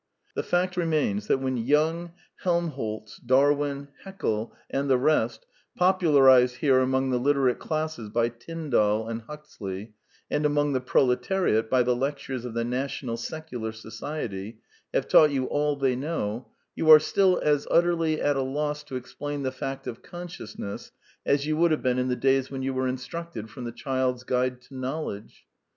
The fact remains that when Young, Helmholtz, Darwin, Haeckel, and the rest, popularized here among the literate classes by Tyndall and Huxley, and among the prole tariat by the lectures of the National Secular Society, have taught you all they know, you are still as utterly at a loss to explain the fact of consciousness as you would have been in the days when you were instructed from The Child's Guide to Knowledge.